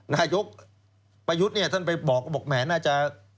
นายกประยุทธ์เนี่ยท่านไปบอกก็บอกแหมน่าจะ